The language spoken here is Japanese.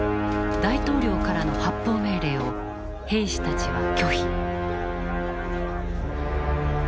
大統領からの発砲命令を兵士たちは拒否。